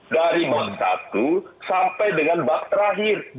dari bab satu sampai dengan bab terakhir